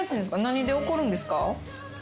何で怒るんですか？